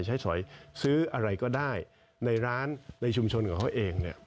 ใช้สอยซื้ออะไรก็ได้ในร้านในชุมชนของเขาเอง